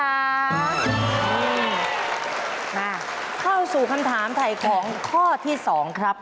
เข้าสู่คำถามถ่ายของข้อที่๒ครับ